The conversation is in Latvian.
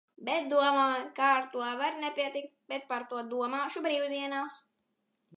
Bet domāju, ka ar to var nepietikt. Bet par to domāšu brīvdienās.